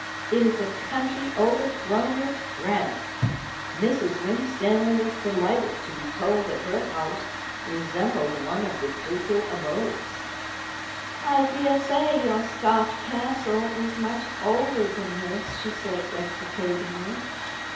It is a country overgrown with granite." Mrs. Winstanley was delighted to be told that her house resembled one of the ducal abodes. "I daresay your Scotch castle is much older than this," she said deprecatingly.